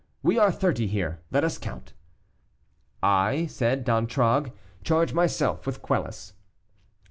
We are thirty here; let us count." "I," said D'Antragues, "charge myself with Quelus."